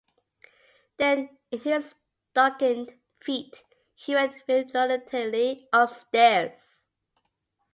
Then, in his stockinged feet, he went reluctantly upstairs.